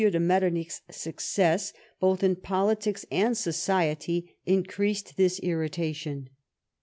do Jletternicli's success, both in politics and society, increased this irritation.